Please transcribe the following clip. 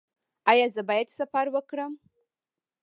ایا زه باید سفر وکړم؟